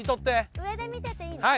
上で見てていいですか？